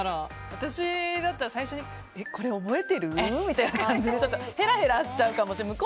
私だったら最初にこれ覚えてる？みたいな感じでちょっとへらへらしちゃうかもしれない。